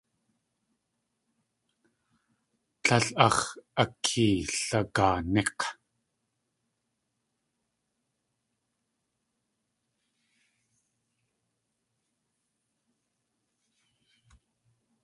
Líl áx̲ akeelagaaník̲.